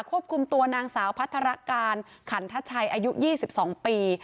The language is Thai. ควบคุมตัวนางสาวพัฒนาการขันทชัยอายุ๒๒ปี